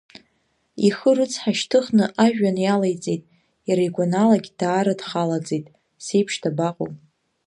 Ихы рыцҳа шьҭыхны ажәҩан иалеиҵеит, иара игәаналагь даара дхалаӡеит, Сеиԥш дабаҟоу?